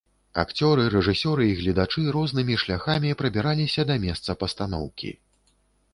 Акцёры, рэжысёры і гледачы рознымі шляхамі прабіраліся да месца пастаноўкі.